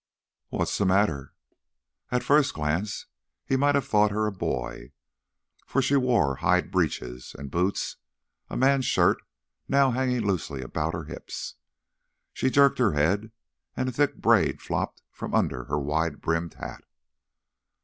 "What's the matter?" At first glance he might have thought her a boy, for she wore hide breeches and boots, a man's shirt now hanging loosely about her hips. She jerked her head, and a thick braid flopped from under her wide brimmed hat.